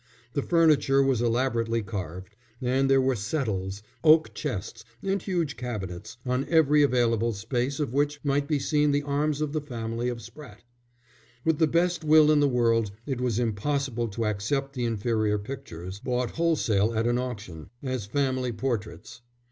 The furniture was elaborately carved, and there were settles, oak chests, and huge cabinets, on every available space of which might be seen the arms of the family of Spratte. With the best will in the world it was impossible to accept the inferior pictures, bought wholesale at an auction, as family portraits.